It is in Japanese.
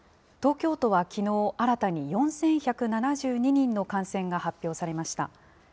東京都はきのう、新たに４１７２人の感染が発表されました。